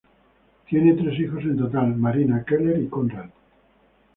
Tienen tres hijos en total: Marina, Keller y Konrad.